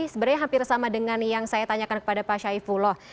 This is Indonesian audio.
sebenarnya hampir sama dengan yang saya tanyakan kepada pak syaifullah